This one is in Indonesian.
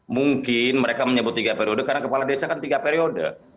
mungkin mereka menyebut tiga periode karena kepala desa kan tiga periode